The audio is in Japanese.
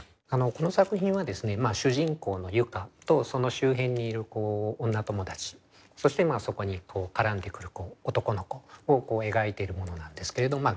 この作品はですね主人公の結佳とその周辺にいる女友達そしてそこに絡んでくる男の子を描いているものなんですけれど。